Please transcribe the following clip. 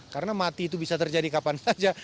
karena mati itu bisa terjadi kapan saja